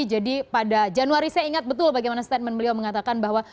jadi pada januari saya ingat betul bagaimana statement beliau mengatakan bahwa